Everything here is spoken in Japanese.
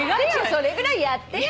それぐらいやってよ！